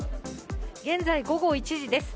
現在、午後１時です。